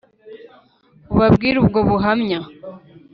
Ubabwire ubwo buhamya